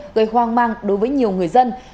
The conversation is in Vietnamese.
gây hoang mang đối với nhiều người dân